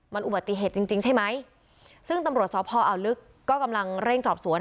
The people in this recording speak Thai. มันอุบัติเหตุจริงจริงใช่ไหมซึ่งตำรวจสพอ่าวลึกก็กำลังเร่งสอบสวน